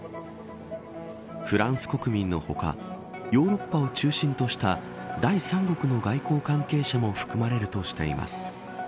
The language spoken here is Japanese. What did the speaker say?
フランス国民の他ヨーロッパを中心とした第三国の外交関係者も含まれるとしています。